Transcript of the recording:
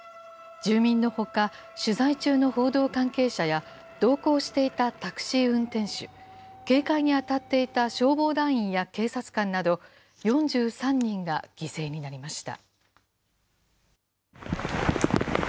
住民のほか、取材中の報道関係者や、同行していたタクシー運転手、警戒に当たっていた消防団員や警察官など、４３人が犠牲になりました。